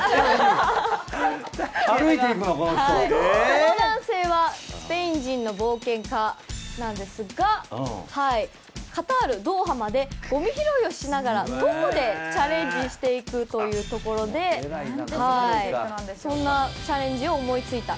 この男性はスペイン人の冒険家なんですがカタール・ドーハまでゴミ拾いをしながら徒歩でチャレンジしていくというところでそんなチャレンジを思いついた。